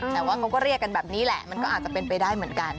แต่ว่าเขาก็เรียกกันแบบนี้แหละมันก็อาจจะเป็นไปได้เหมือนกัน